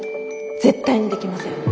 絶対にできません。